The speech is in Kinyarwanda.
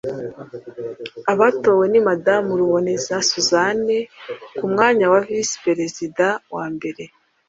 Abatowe ni Madamu Ruboneza Suzanne ku mwanya wa Visi Perezida wa mbere